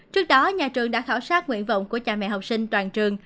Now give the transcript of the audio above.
trước đó nhà trường đã khảo sát nguyện vọng của cha mẹ học sinh toàn trường